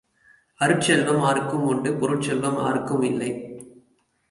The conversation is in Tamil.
அருட்செல்வம் ஆருக்கும் உண்டு பொருட் செல்வம் ஆருக்கும் இல்லை.